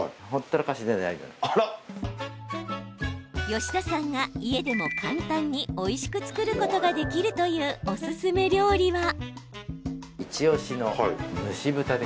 吉田さんが家でも簡単においしく作ることができるというおすすめ料理は。